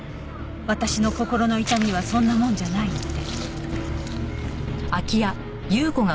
「私の心の痛みはそんなもんじゃないって」